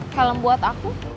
kalem buat aku